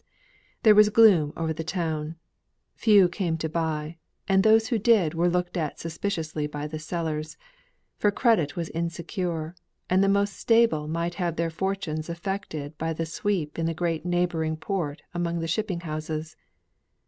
There was gloom over the town. Few came to buy, and those who did were looked at suspiciously by the sellers; for credit was insecure, and the most stable might have their fortunes affected by the sweep in the great neighbouring port among the shipping houses.